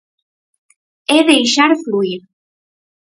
É deixar fluír.